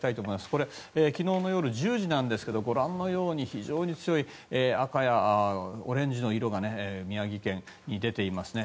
これ、昨日の夜１０時なんですがご覧のように非常に強い赤やオレンジの色が宮城県に出ていますね。